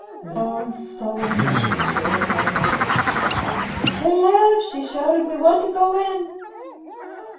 A long, sullen muttering verified her words. "Little Ev," she shouted, "we want to go in."